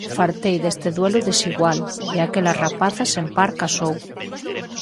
Fartei deste duelo desigual, e aquela rapaza sen par casou.